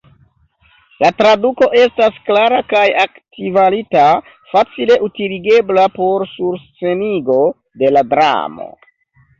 La traduko estas klara kaj altkvalita, facile utiligebla por surscenigo de la dramo.